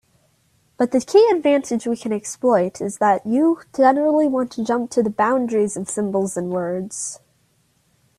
But the key advantage we can exploit is that you generally want to jump to the boundaries of symbols and words.